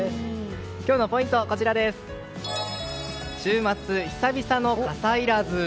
今日のポイントは週末、久々の傘いらず。